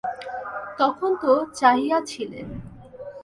তখন তো চাহিয়াছিলে।